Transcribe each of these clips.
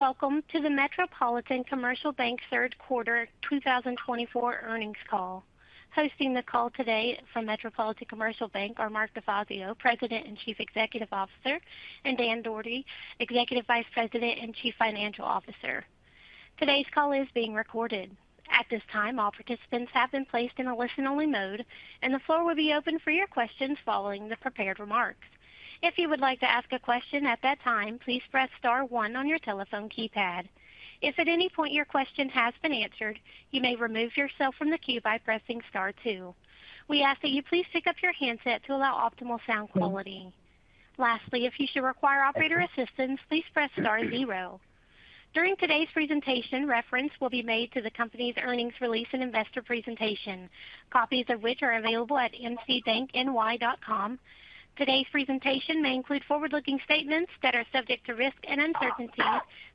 ...Welcome to the Metropolitan Commercial Bank third quarter 2024 earnings call. Hosting the call today from Metropolitan Commercial Bank are Mark DeFazio, President and Chief Executive Officer; and Dan Dougherty, Executive Vice President and Chief Financial Officer. Today's call is being recorded. At this time, all participants have been placed in a listen-only mode, and the floor will be open for your questions following the prepared remarks. If you would like to ask a question at that time, please press star one on your telephone keypad. If at any point your question has been answered, you may remove yourself from the queue by pressing star two. We ask that you please pick up your handset to allow optimal sound quality. Lastly, if you should require operator assistance, please press star zero. During today's presentation, reference will be made to the company's earnings release and investor presentation, copies of which are available at mcbankny.com. Today's presentation may include forward-looking statements that are subject to risk and uncertainty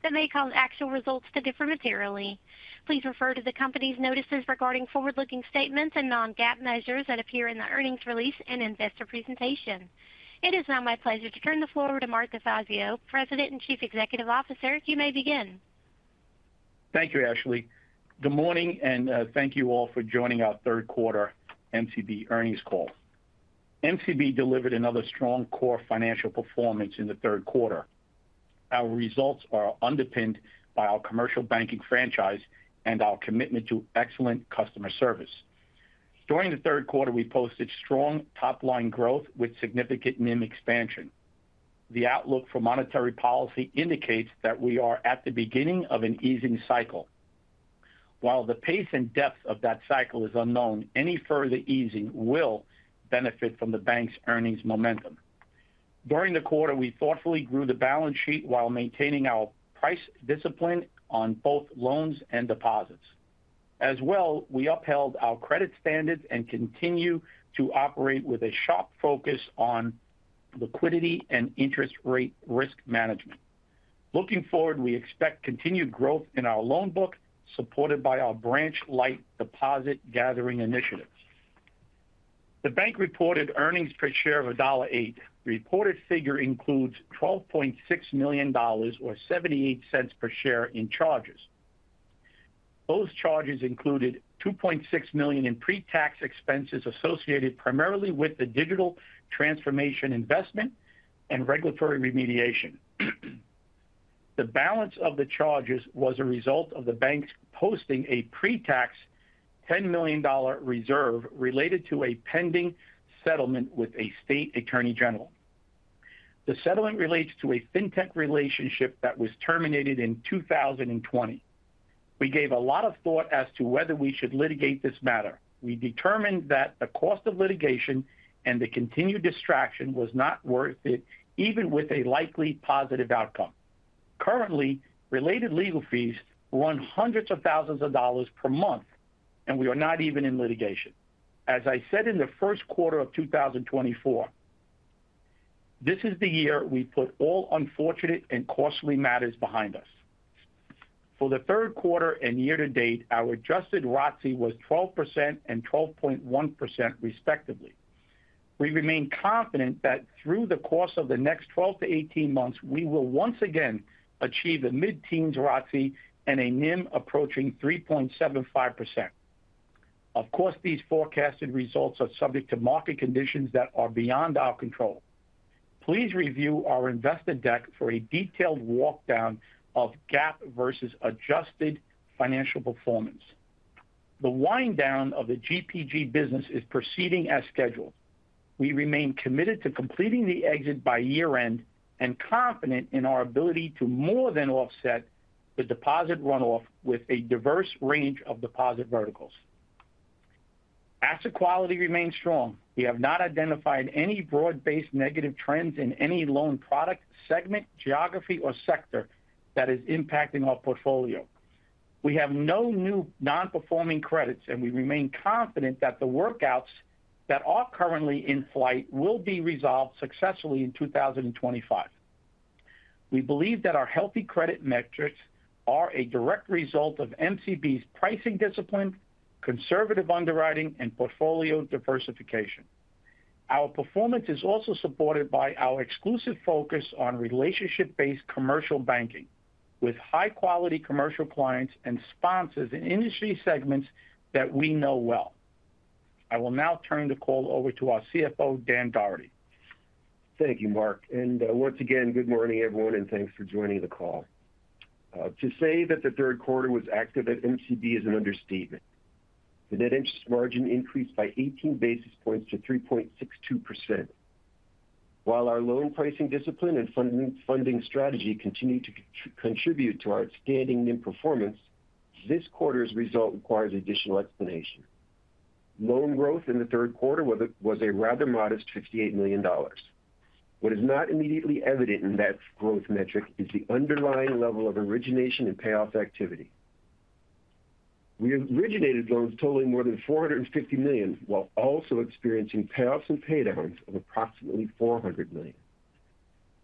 that may cause actual results to differ materially. Please refer to the company's notices regarding forward-looking statements and non-GAAP measures that appear in the earnings release and investor presentation. It is now my pleasure to turn the floor over to Mark DeFazio, President and Chief Executive Officer. You may begin. Thank you, Ashley. Good morning, and thank you all for joining our third quarter MCB earnings call. MCB delivered another strong core financial performance in the third quarter. Our results are underpinned by our commercial banking franchise and our commitment to excellent customer service. During the third quarter, we posted strong top-line growth with significant NIM expansion. The outlook for monetary policy indicates that we are at the beginning of an easing cycle. While the pace and depth of that cycle is unknown, any further easing will benefit from the bank's earnings momentum. During the quarter, we thoughtfully grew the balance sheet while maintaining our price discipline on both loans and deposits. As well, we upheld our credit standards and continue to operate with a sharp focus on liquidity and interest rate risk management. Looking forward, we expect continued growth in our loan book, supported by our branch-light deposit gathering initiatives. The bank reported earnings per share of $1.08. The reported figure includes $12.6 million or $0.78 per share in charges. Those charges included $2.6 million in pre-tax expenses associated primarily with the digital transformation investment and regulatory remediation. The balance of the charges was a result of the bank's posting a pre-tax $10 million reserve related to a pending settlement with a state attorney general. The settlement relates to a fintech relationship that was terminated in 2020. We gave a lot of thought as to whether we should litigate this matter. We determined that the cost of litigation and the continued distraction was not worth it, even with a likely positive outcome. Currently, related legal fees run hundreds of thousands of dollars per month, and we are not even in litigation. As I said in the first quarter of 2024, this is the year we put all unfortunate and costly matters behind us. For the third quarter and year-to-date, our adjusted ROTCE was 12% and 12.1%, respectively. We remain confident that through the course of the next 12 to 18 months, we will once again achieve a mid-teen ROTCE and a NIM approaching 3.75%. Of course, these forecasted results are subject to market conditions that are beyond our control. Please review our investor deck for a detailed walkdown of GAAP versus adjusted financial performance. The wind down of the GPG business is proceeding as scheduled. We remain committed to completing the exit by year-end and confident in our ability to more than offset the deposit runoff with a diverse range of deposit verticals. Asset quality remains strong. We have not identified any broad-based negative trends in any loan product, segment, geography, or sector that is impacting our portfolio. We have no new non-performing credits, and we remain confident that the workouts that are currently in flight will be resolved successfully in 2025. We believe that our healthy credit metrics are a direct result of MCB's pricing discipline, conservative underwriting, and portfolio diversification. Our performance is also supported by our exclusive focus on relationship-based commercial banking, with high-quality commercial clients and sponsors in industry segments that we know well. I will now turn the call over to our CFO, Dan Dougherty. Thank you, Mark, and once again, good morning, everyone, and thanks for joining the call. To say that the third quarter was active at MCB is an understatement. The net interest margin increased by 18 basis points to 3.62%. While our loan pricing discipline and funding strategy continued to contribute to our outstanding NIM performance, this quarter's result requires additional explanation. Loan growth in the third quarter was a rather modest $58 million. What is not immediately evident in that growth metric is the underlying level of origination and payoff activity. We originated loans totaling more than $450 million, while also experiencing payoffs and paydowns of approximately $400 million.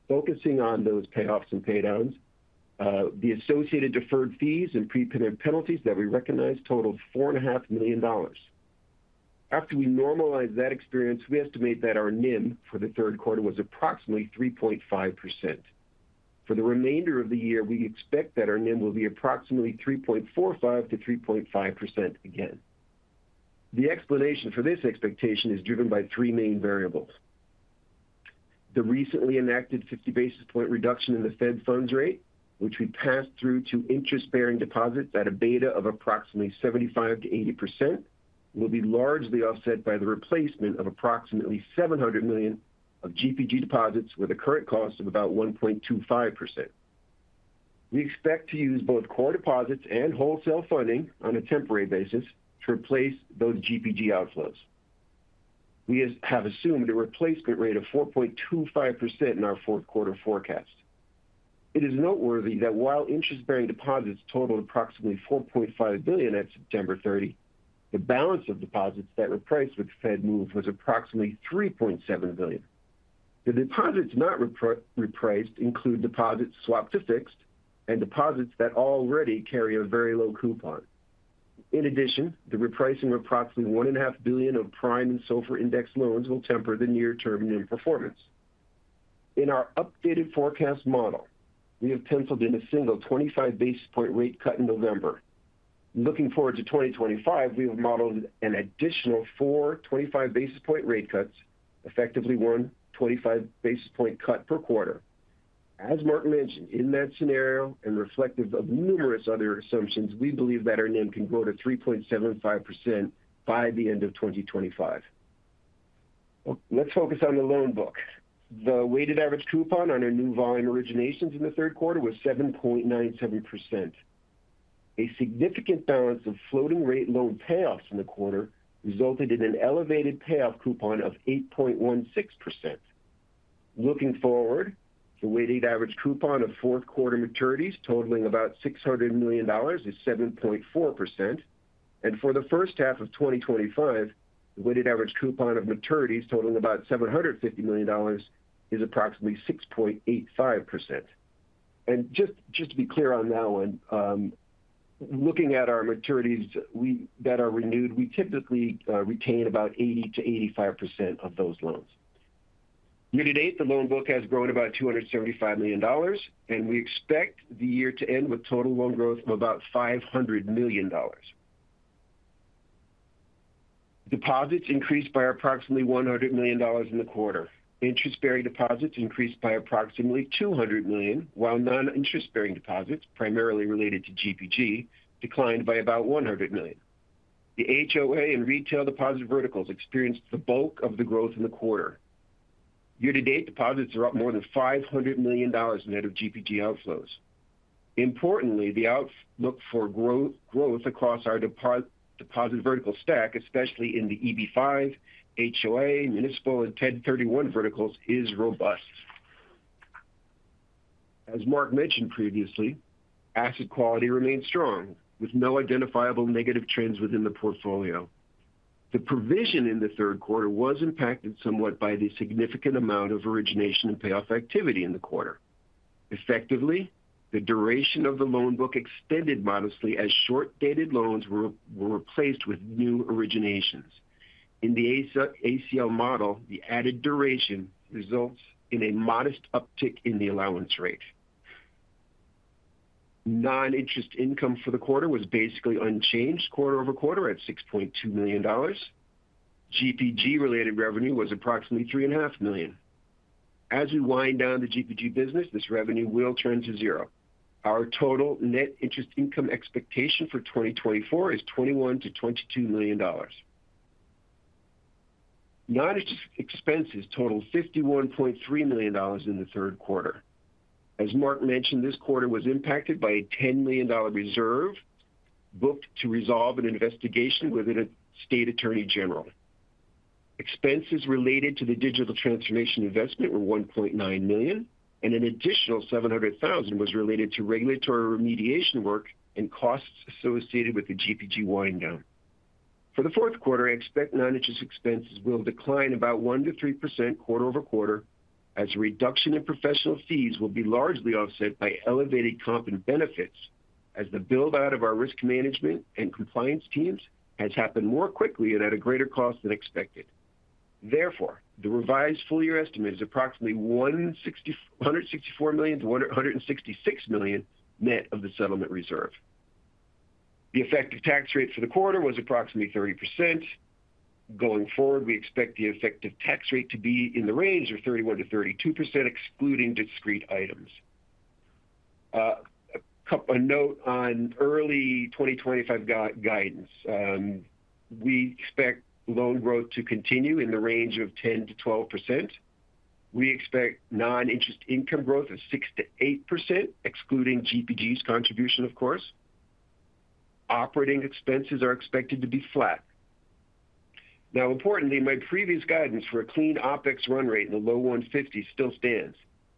Focusing on those payoffs and paydowns, the associated deferred fees and prepayment penalties that we recognized totaled $4.5 million. After we normalize that experience, we estimate that our NIM for the third quarter was approximately 3.5%. For the remainder of the year, we expect that our NIM will be approximately 3.45%-3.5% again. The explanation for this expectation is driven by three main variables. The recently enacted 50 basis point reduction in the Fed funds rate, which we passed through to interest-bearing deposits at a beta of approximately 75%-80%, will be largely offset by the replacement of approximately 700 million of GPG deposits, with a current cost of about 1.25%. We expect to use both core deposits and wholesale funding on a temporary basis to replace those GPG outflows. We have assumed a replacement rate of 4.25% in our fourth quarter forecast. It is noteworthy that while interest-bearing deposits totaled approximately $4.5 billion at September 30, the balance of deposits that repriced with Fed move was approximately $3.7 billion. The deposits not repriced include deposits swapped to fixed and deposits that already carry a very low coupon. In addition, the repricing of approximately $1.5 billion of prime and SOFR indexed loans will temper the near-term NIM performance. In our updated forecast model, we have penciled in a single 25 basis points rate cut in November. Looking forward to 2025, we have modeled an additional four 25 basis point rate cuts, effectively one 25 basis point cut per quarter. As Mark mentioned, in that scenario and reflective of numerous other assumptions, we believe that our NIM can grow to 3.75% by the end of 2025. Let's focus on the loan book. The weighted average coupon on our new volume originations in the third quarter was 7.97%. A significant balance of floating rate loan payoffs in the quarter resulted in an elevated payoff coupon of 8.16%. Looking forward, the weighted average coupon of fourth quarter maturities totaling about $600 million is 7.4%, and for the first half of 2025, the weighted average coupon of maturities totaling about $750 million is approximately 6.85%. And just to be clear on that one, looking at our maturities that are renewed, we typically retain about 80%-85% of those loans. Year to date, the loan book has grown about $275 million, and we expect the year to end with total loan growth of about $500 million. Deposits increased by approximately $100 million in the quarter. Interest-bearing deposits increased by approximately $200 million, while non-interest-bearing deposits, primarily related to GPG, declined by about $100 million. The HOA and retail deposit verticals experienced the bulk of the growth in the quarter. Year to date, deposits are up more than $500 million net of GPG outflows. Importantly, the outlook for growth across our deposit vertical stack, especially in the EB-5, HOA, municipal, and 1031 verticals, is robust. As Mark mentioned previously, asset quality remains strong, with no identifiable negative trends within the portfolio. The provision in the third quarter was impacted somewhat by the significant amount of origination and payoff activity in the quarter. Effectively, the duration of the loan book extended modestly as short-dated loans were replaced with new originations. In the ACL model, the added duration results in a modest uptick in the allowance rate. Non-interest income for the quarter was basically unchanged quarter-over quarter at $6.2 million. GPG-related revenue was approximately $3.5 million. As we wind down the GPG business, this revenue will turn to zero. Our total net interest income expectation for 2024 is $21 million-$22 million. Non-interest expenses totaled $51.3 million in the third quarter. As Mark mentioned, this quarter was impacted by a $10 million reserve booked to resolve an investigation with a state attorney general. Expenses related to the digital transformation investment were $1.9 million, and an additional $700,000 was related to regulatory remediation work and costs associated with the GPG wind down. For the fourth quarter, I expect non-interest expenses will decline about 1%-3% quarter-over-quarter, as a reduction in professional fees will be largely offset by elevated comp and benefits, as the build-out of our risk management and compliance teams has happened more quickly and at a greater cost than expected. Therefore, the revised full year estimate is approximately $161 million-$164 million to $166 million net of the settlement reserve. The effective tax rate for the quarter was approximately 30%. Going forward, we expect the effective tax rate to be in the range of 31%-32%, excluding discrete items. A note on early 2025 guidance. We expect loan growth to continue in the range of 10%-12%. We expect non-interest income growth of 6%-8%, excluding GPG's contribution, of course. Operating expenses are expected to be flat. Now, importantly, my previous guidance for a clean OpEx run rate in the low 150 still stands.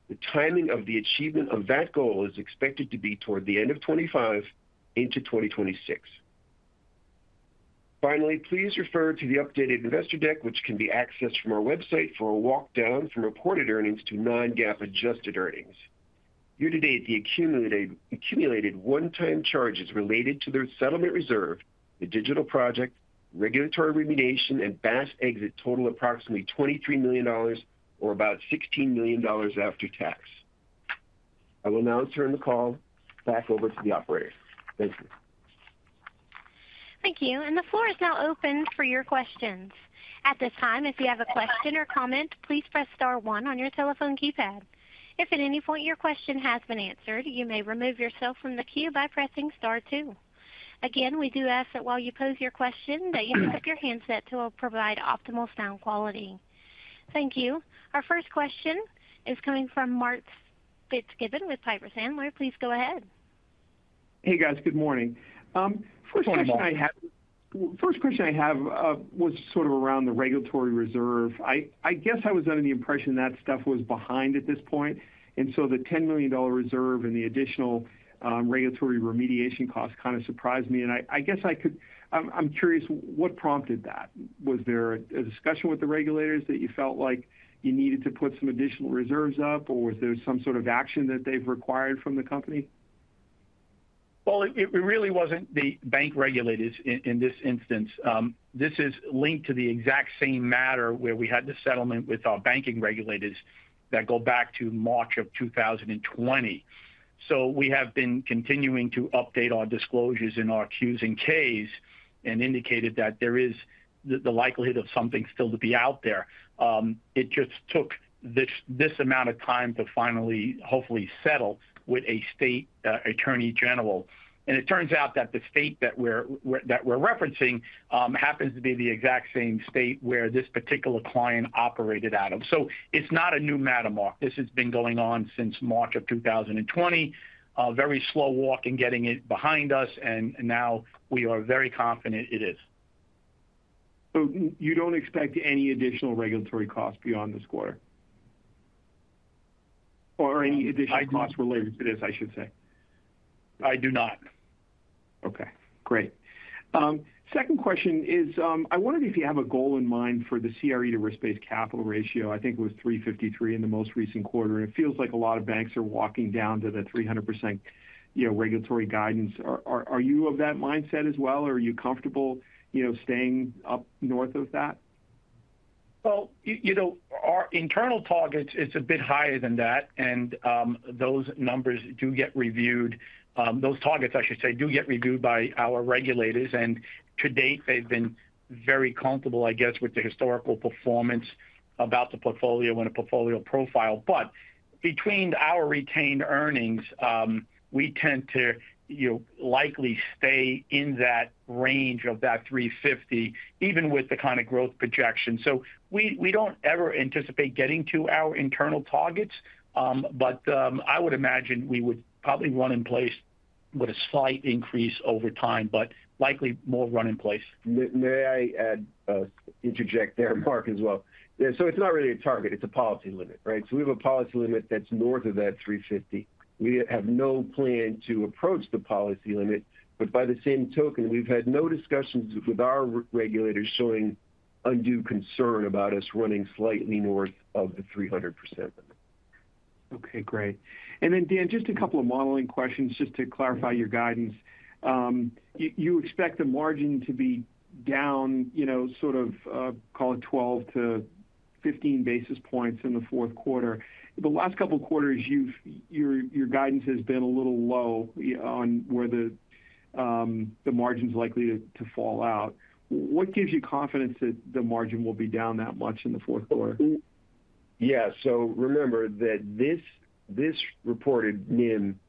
The timing of the achievement of that goal is expected to be toward the end of 2025 into 2026. Finally, please refer to the updated investor deck, which can be accessed from our website, for a walkdown from reported earnings to non-GAAP adjusted earnings. Year to date, the accumulated one-time charges related to their settlement reserve, the digital project, regulatory remediation, and BaaS exit total approximately $23 million or about $16 million after tax. I will now turn the call back over to the operator. Thank you. Thank you, and the floor is now open for your questions. At this time, if you have a question or comment, please press star one on your telephone keypad. If at any point your question has been answered, you may remove yourself from the queue by pressing star two. Again, we do ask that while you pose your question, that you mute your handset to provide optimal sound quality. Thank you. Our first question is coming from Mark Fitzgibbon with Piper Sandler. Please go ahead. Hey, guys, good morning. First question I have- Good morning, Mark. First question I have was sort of around the regulatory reserve. I guess I was under the impression that stuff was behind at this point, and so the $10 million reserve and the additional regulatory remediation costs kind of surprised me, and I guess I'm curious, what prompted that? Was there a discussion with the regulators that you felt like you needed to put some additional reserves up, or was there some sort of action that they've required from the company? Well, it really wasn't the bank regulators in this instance. This is linked to the exact same matter where we had the settlement with our banking regulators that go back to March of 2020. So we have been continuing to update our disclosures in our Qs and Ks, and indicated that there is the likelihood of something still to be out there. It just took this amount of time to finally, hopefully settle with a state attorney general. And it turns out that the state that we're referencing happens to be the exact same state where this particular client operated out of. So it's not a new matter, Mark. This has been going on since March of 2020. A very slow walk in getting it behind us, and now we are very confident it is. So you don't expect any additional regulatory costs beyond this quarter? Or any additional costs related to this, I should say. I do not. Okay, great. Second question is, I wondered if you have a goal in mind for the CRE to risk-based capital ratio. I think it was 353% in the most recent quarter, and it feels like a lot of banks are walking down to the 300%, you know, regulatory guidance. Are you of that mindset as well, or are you comfortable, you know, staying up north of that? You know, our internal target is a bit higher than that, and those numbers do get reviewed. Those targets, I should say, do get reviewed by our regulators, and to date, they've been very comfortable, I guess, with the historical performance about the portfolio and the portfolio profile. But between our retained earnings, we tend to, you know, likely stay in that range of that 350%, even with the kind of growth projection. So we don't ever anticipate getting to our internal targets. But I would imagine we would probably run in place with a slight increase over time, but likely more run in place. May I add, interject there, Mark, as well? Yeah, so it's not really a target, it's a policy limit, right? So we have a policy limit that's north of 350%. We have no plan to approach the policy limit, but by the same token, we've had no discussions with our regulators showing undue concern about us running slightly north of the 300%. Okay, great. And then, Dan, just a couple of modeling questions just to clarify your guidance. You expect the margin to be down, you know, sort of, call it 12-15 basis points in the fourth quarter. The last couple of quarters, your guidance has been a little low, on where the margin's likely to fall out. What gives you confidence that the margin will be down that much in the fourth quarter? Yeah. Remember that this reported NIM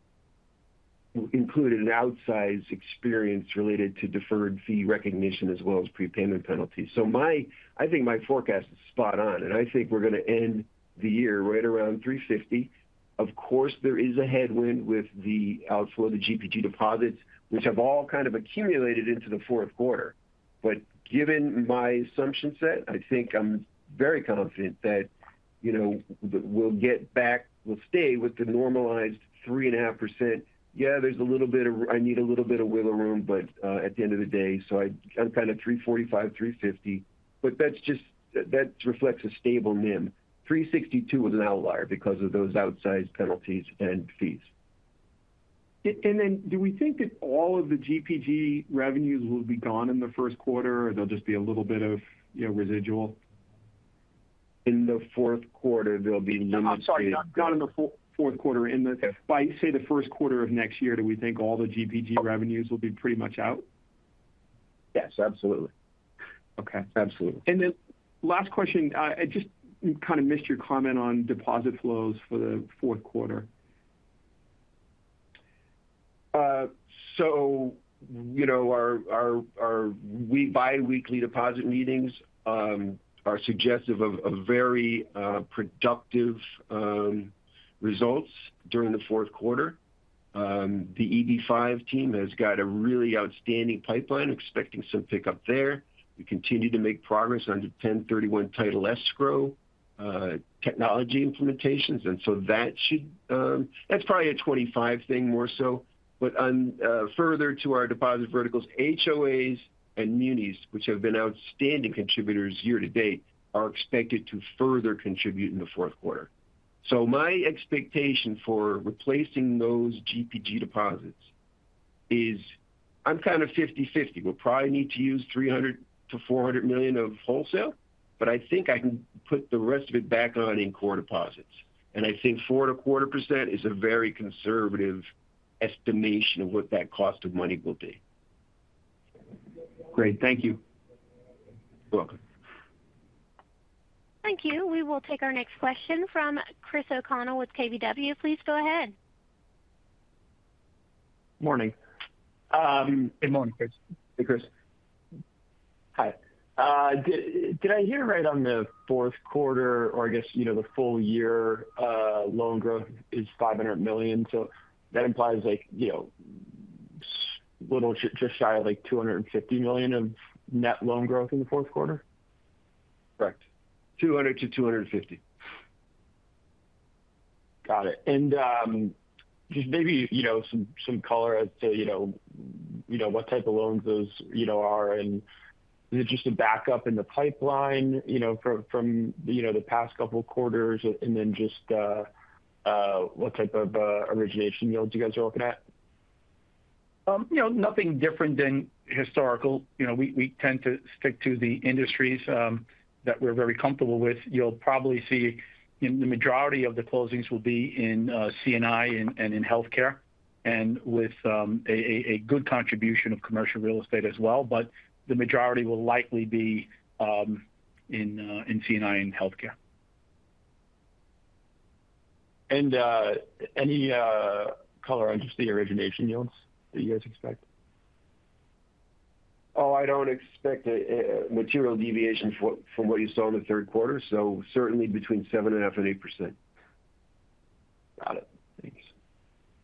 included an outsized experience related to deferred fee recognition as well as prepayment penalties. I think my forecast is spot on, and I think we're going to end the year right around 350%. Of course, there is a headwind with the outflow of the GPG deposits, which have all kind of accumulated into the fourth quarter. But given my assumption set, I think I'm very confident that, you know, we'll get back. We'll stay with the normalized 3.5%. Yeah, there's a little bit of wiggle room, but at the end of the day, I'm kind of 3.45%-3.50%, but that's just that reflects a stable NIM. 3.62% was an outlier because of those outsized penalties and fees. Do we think that all of the GPG revenues will be gone in the first quarter, or they'll just be a little bit of, you know, residual? In the fourth quarter, there'll be- I'm sorry, not in the fourth quarter. In the- Yes... by, say, the first quarter of next year, do we think all the GPG revenues will be pretty much out? Yes, absolutely. Okay. Absolutely. And then, last question. I just kind of missed your comment on deposit flows for the fourth quarter. So, you know, our biweekly deposit meetings are suggestive of very productive results during the fourth quarter. The EB-5 team has got a really outstanding pipeline, expecting some pickup there. We continue to make progress on the 1031 Title Escrow technology implementations, and so that should... That's probably a 2025 thing, more so. But on, further to our deposit verticals, HOAs and Munis, which have been outstanding contributors year to date, are expected to further contribute in the fourth quarter. So my expectation for replacing those GPG deposits-... is, I'm kind of 50-50. We'll probably need to use $300 million-$400 million of wholesale, but I think I can put the rest of it back on in core deposits. And I think 4.25% is a very conservative estimation of what that cost of money will be. Great. Thank you. You're welcome. Thank you. We will take our next question from Chris O'Connell with KBW. Please go ahead. Morning. Um- Good morning, Chris. Hey, Chris. Hi. Did I hear right on the fourth quarter or I guess, you know, the full year loan growth is $500 million? So that implies like, you know, just shy of like $250 million of net loan growth in the fourth quarter. Correct. $200 million-$250 million. Got it. And just maybe, you know, some color as to, you know, what type of loans those, you know, are, and is it just a backup in the pipeline, you know, from you know, the past couple quarters? And then just what type of origination yields you guys are looking at? You know, nothing different than historical. You know, we tend to stick to the industries that we're very comfortable with. You'll probably see in the majority of the closings will be in C&I and in healthcare, and with a good contribution of commercial real estate as well. But the majority will likely be in C&I and healthcare. Any color on just the origination yields that you guys expect? Oh, I don't expect a material deviation from what you saw in the third quarter. So certainly between 7.5% and 8%. Got it. Thanks.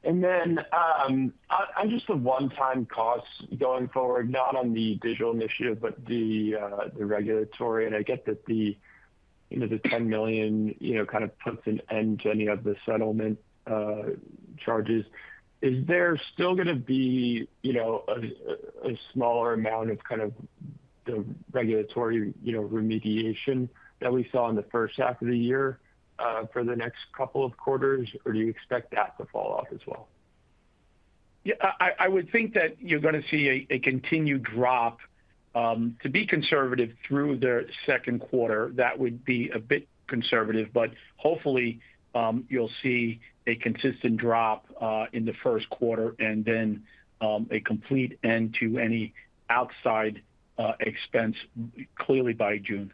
And then, on just the one-time costs going forward, not on the digital initiative, but the regulatory. And I get that the, you know, the $10 million, you know, kind of puts an end to any of the settlement charges. Is there still gonna be, you know, a smaller amount of kind of the regulatory, you know, remediation that we saw in the first half of the year, for the next couple of quarters? Or do you expect that to fall off as well? Yeah, I would think that you're gonna see a continued drop to be conservative through the second quarter. That would be a bit conservative, but hopefully, you'll see a consistent drop in the first quarter and then a complete end to any outside expense clearly by June.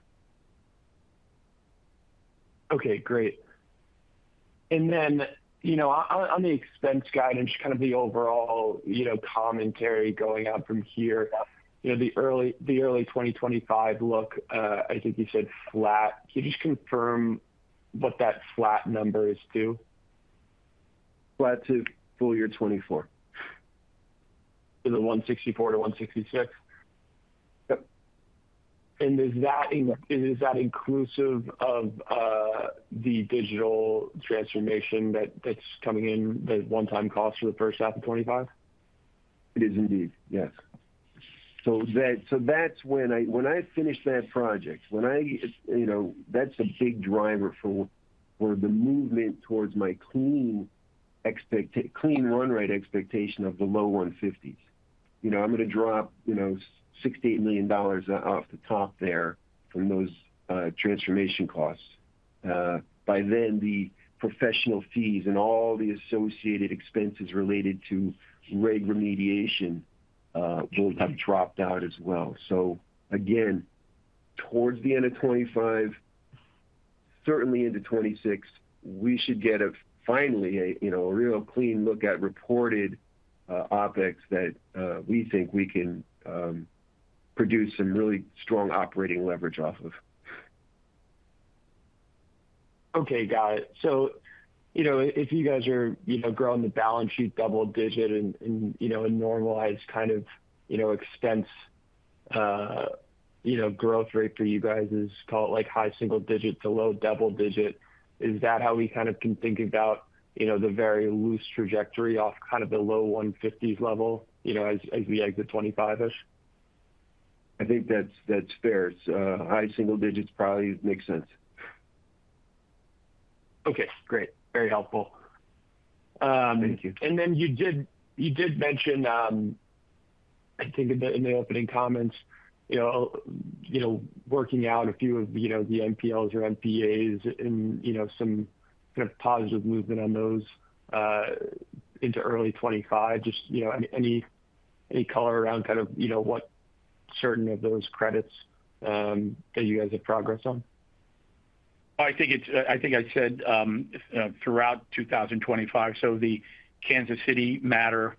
Okay, great. And then, you know, on the expense guidance, kind of the overall, you know, commentary going out from here, you know, the early 2025 look, I think you said flat. Can you just confirm what that flat number is to? Flat to full year 2024. Is it 164 to 166? Yep. Is that inclusive of the Digital Transformation that's coming in, the one-time cost for the first half of 2025? It is indeed, yes. So that's when I finish that project, when I, you know, that's a big driver for the movement towards my clean run rate expectation of the low 150s. You know, I'm gonna drop, you know, $68 million off the top there from those transformation costs. By then, the professional fees and all the associated expenses related to reg remediation will have dropped out as well. So again, towards the end of 2025, certainly into 2026, we should get finally a, you know, a real clean look at reported OpEx that we think we can produce some really strong operating leverage off of. Okay, got it. So, you know, if you guys are, you know, growing the balance sheet double digit and, you know, a normalized kind of, you know, expense, you know, growth rate for you guys is call it, like, high single digit to low double digit, is that how we kind of can think about, you know, the very loose trajectory off kind of the low 150s level, you know, as, as we exit 25-ish? I think that's, that's fair. High single digits probably makes sense. Okay, great. Very helpful. Thank you. And then you did mention, I think in the opening comments, you know, working out a few of, you know, the NPLs or NPAs and, you know, some kind of positive movement on those, into early 2025. Just, you know, any color around kind of, you know, what certain of those credits that you guys have progress on? I think it's, I think I said, throughout 2025. So the Kansas City matter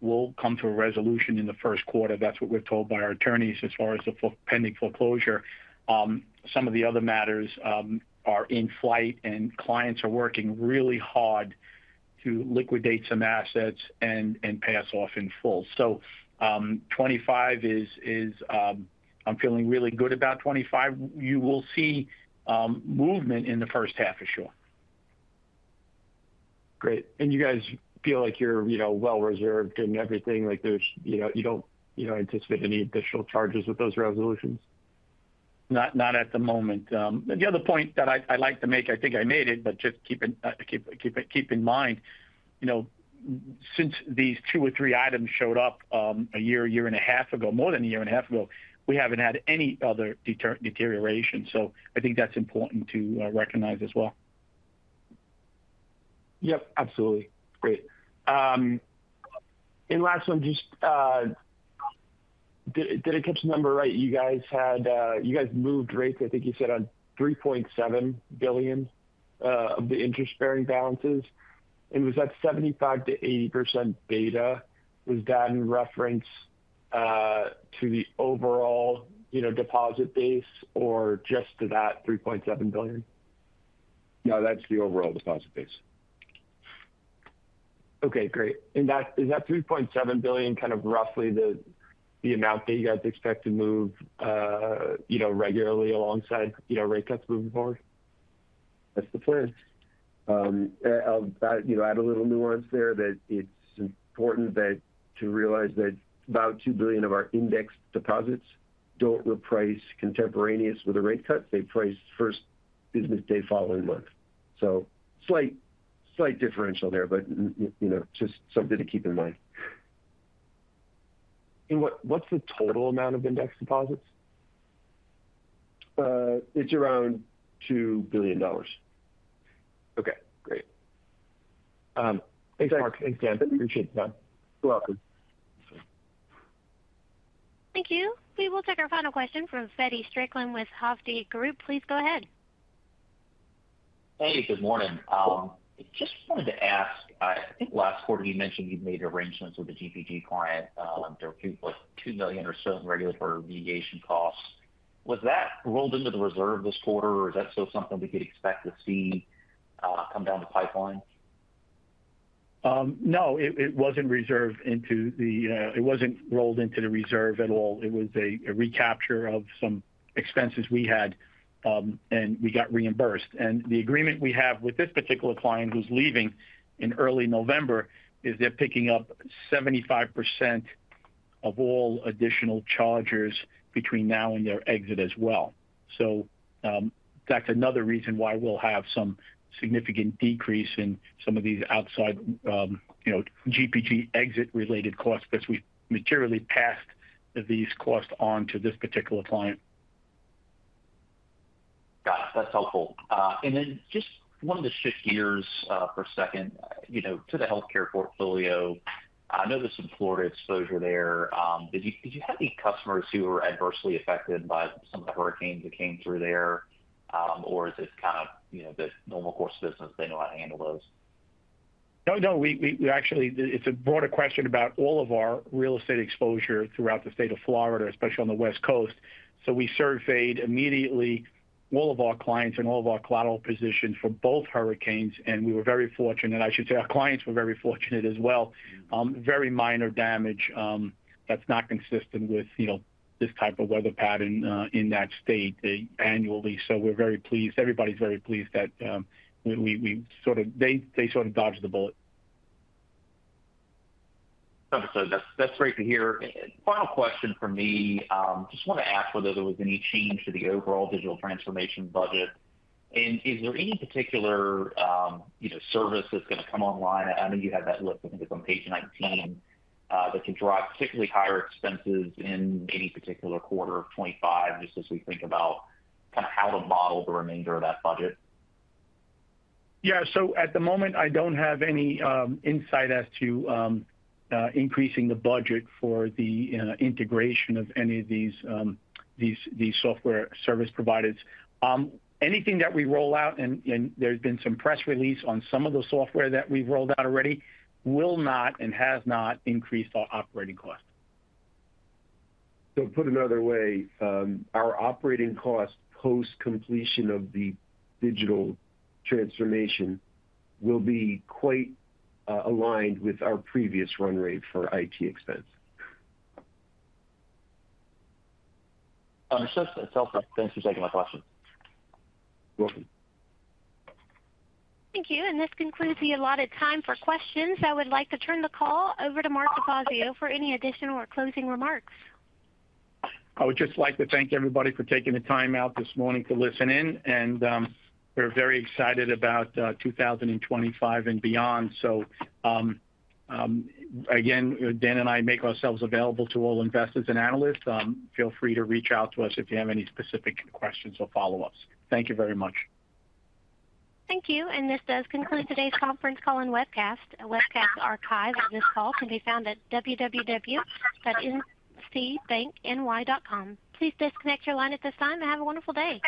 will come to a resolution in the first quarter. That's what we're told by our attorneys as far as the pending foreclosure. Some of the other matters are in flight, and clients are working really hard to liquidate some assets and pass off in full. So, 2025 is. I'm feeling really good about 2025. You will see movement in the first half for sure. Great. And you guys feel like you're, you know, well-reserved and everything? Like there's, you know, you don't, you know, anticipate any additional charges with those resolutions?... Not, not at the moment. The other point that I'd like to make, I think I made it, but just keep it in mind, you know, since these two or three items showed up, a year and a half ago, more than a year and a half ago, we haven't had any other deterioration. So I think that's important to recognize as well. Yep, absolutely. Great. And last one, just, did I catch the number right? You guys had moved rates, I think you said on $3.7 billion of the interest-bearing balances, and was that 75%-80% beta? Was that in reference to the overall, you know, deposit base or just to that $3.7 billion? No, that's the overall deposit base. Okay, great. And that is that $3.7 billion kind of roughly the amount that you guys expect to move, you know, rate cuts moving forward? That's the plan. I'll you know add a little nuance there, that it's important that to realize that about $2 billion of our indexed deposits don't reprice contemporaneous with the rate cut. They price first business day following month. So slight differential there, but you know just something to keep in mind. What's the total amount of indexed deposits? It's around $2 billion. Okay, great. Thanks, Mark. Thanks, Dan. Appreciate the time. You're welcome. Thank you. We will take our final question from Feddie Strickland with Hovde Group. Please go ahead. Hey, good morning. Just wanted to ask, I think last quarter you mentioned you'd made arrangements with a GPG client, for $2.2 million or so in regulatory remediation costs. Was that rolled into the reserve this quarter, or is that still something we could expect to see, come down the pipeline? No, it wasn't rolled into the reserve at all. It was a recapture of some expenses we had, and we got reimbursed, and the agreement we have with this particular client, who's leaving in early November, is they're picking up 75% of all additional charges between now and their exit as well, so that's another reason why we'll have some significant decrease in some of these outside, you know, GPG exit-related costs, because we've materially passed these costs on to this particular client. Got it. That's helpful, and then just wanted to shift gears for a second, you know, to the healthcare portfolio. I noticed some Florida exposure there. Did you have any customers who were adversely affected by some of the hurricanes that came through there, or is it kind of, you know, the normal course of business, they know how to handle those? No, we actually. It's a broader question about all of our real estate exposure throughout the state of Florida, especially on the West Coast. So we surveyed immediately all of our clients and all of our collateral positions for both hurricanes, and we were very fortunate. I should say our clients were very fortunate as well. Very minor damage. That's not consistent with, you know, this type of weather pattern in that state annually. So we're very pleased. Everybody's very pleased that we sort of. They sort of dodged the bullet. Okay. So that's, that's great to hear. Final question from me. Just want to ask whether there was any change to the overall digital transformation budget? And is there any particular, you know, service that's going to come online? I know you have that list. I think it's on page 19, that can drive particularly higher expenses in any particular quarter of 2025, just as we think about kind of how to model the remainder of that budget. Yeah, so at the moment, I don't have any insight as to increasing the budget for the integration of any of these software service providers. Anything that we roll out, and there's been some press release on some of the software that we've rolled out already, will not and has not increased our operating costs. So put another way, our operating costs post-completion of the Digital Transformation will be quite aligned with our previous run rate for IT expense. It's helpful. Thanks for taking my question. You're welcome. Thank you, and this concludes the allotted time for questions. I would like to turn the call over to Mark DeFazio for any additional or closing remarks. I would just like to thank everybody for taking the time out this morning to listen in, and we're very excited about 2025 and beyond, so again, Dan and I make ourselves available to all investors and analysts. Feel free to reach out to us if you have any specific questions or follow-ups. Thank you very much. Thank you, and this does conclude today's conference call and webcast. A webcast archive of this call can be found at www.mcbny.com. Please disconnect your line at this time and have a wonderful day.